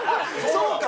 そうか！